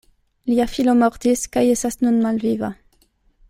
Lia filo mortis kaj estas nun malviva.